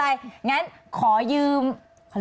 เอาอย่างนี้ไม่เป็นไร